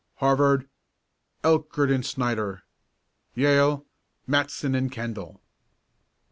Harvard: Elkert and Snyder Yale: Matson and Kendall."